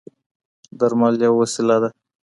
درمل یوه وسیله ده.